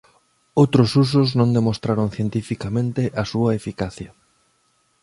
Outros usos non demostraron cientificamente a súa eficacia.